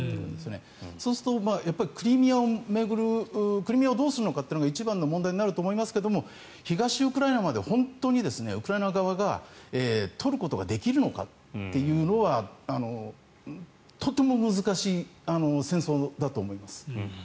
そうすると、クリミアを巡るクリミアをどうするのかというのが一番の問題になると思いますが東ウクライナまで本当にウクライナ側が取ることができるのかというのはとても難しい戦争だと思います。